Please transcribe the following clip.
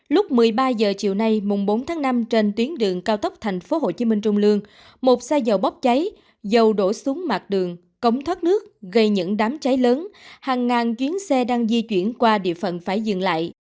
lúc một mươi ba h chiều nay mùng bốn tháng năm trên tuyến đường cao tốc thành phố hồ chí minh trung lương một xe dầu bốc cháy dầu đổ xuống mạc đường cống thoát nước gây những đám cháy lớn hàng ngàn chuyến xe đang di chuyển qua địa phận phải dừng lại